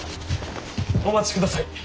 お待ちください。